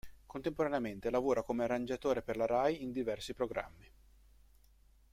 Contemporaneamente lavora come arrangiatore per la Rai in diversi programmi.